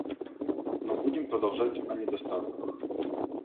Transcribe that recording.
Но будем продолжать о недостатках.